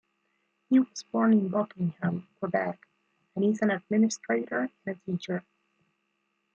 He was born in Buckingham, Quebec and is an administrator, and a teacher.